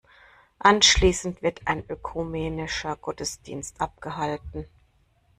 Anschließend wird ein ökumenischer Gottesdienst abgehalten.